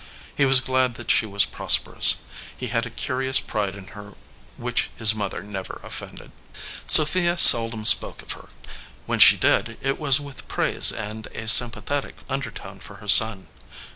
He was glad that she was prosperous. He had a curi ous pride in her which his mother never offended. Sophia seldom spoke of her ; when she did, it was with praise and a sympathetic undertone for her son.